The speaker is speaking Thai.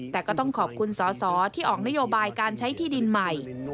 แต่ก็ต้องขอบคุณสอสอที่ออกนโยบายการใช้ที่ดินใหม่